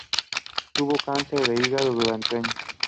Tuvo cáncer de hígado durante años.